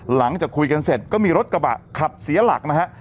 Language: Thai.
หลังจากคุยกันเสร็จก็มีรถกระบะขับเสียหลักนะฮะ